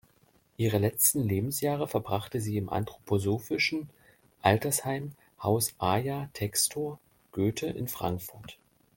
Ihre letzten Lebensjahre verbrachte sie im anthroposophischen Altersheim „Haus Aja Textor-Goethe“ in Frankfurt.